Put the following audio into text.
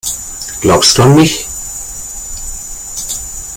Glaubst du an mich?